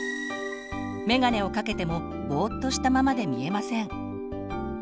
めがねをかけてもぼっとしたままで見えません。